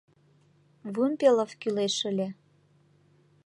Вымпелов кӱлеш ыле.